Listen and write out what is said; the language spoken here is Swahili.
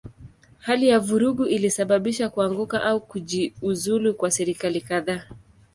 Hali ya vurugu ilisababisha kuanguka au kujiuzulu kwa serikali kadhaa.